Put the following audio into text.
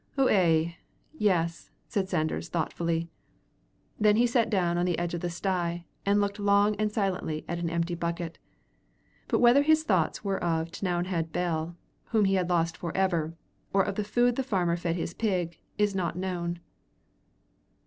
"Ou ay; yes," said Sanders, thoughtfully. Then he sat down on the edge of the sty, and looked long and silently at an empty bucket. But whether his thoughts were of T'nowhead's Bell, whom he had lost forever, or of the food the farmer fed his pig on, is not known.